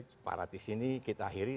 separatis ini kita akhiri